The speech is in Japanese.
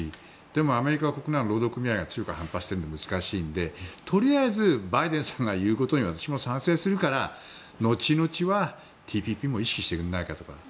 でもアメリカは国内の労働組合が反発しているので難しいのでとりあえず、バイデンさんが言うことに私も賛成するから後々はＴＰＰも意識してくれないかと。